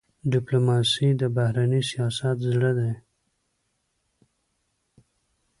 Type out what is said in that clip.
ډيپلوماسي د بهرني سیاست زړه دی.